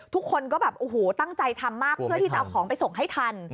ทุกคนก็แบบโอ้โหตั้งใจทำมากเพื่อที่จะเอาของไปส่งให้ทัน